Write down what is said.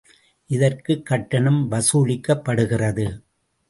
இதற்குக் கட்டணம் வசூலிக்கப்படுகிறது.